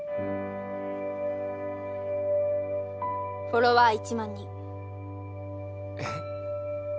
フォロワー１万人えっ？